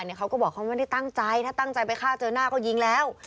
เขาก็บอกเขาไม่ได้ตั้งใจถ้าตั้งใจไปฆ่าเจอหน้าก็ยิงแล้ว